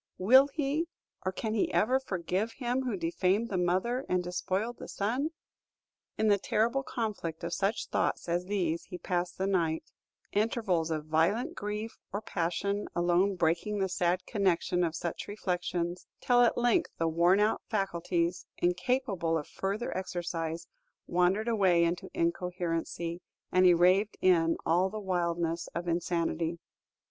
Will he or can he ever forgive him who defamed the mother and despoiled the son?" In the terrible conflict of such thoughts as these he passed the night; intervals of violent grief or passion alone breaking the sad connection of such reflections, till at length the worn out faculties, incapable of further exercise, wandered away into incoherency, and he raved in all the wildness of insanity.